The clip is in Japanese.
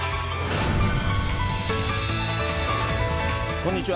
こんにちは。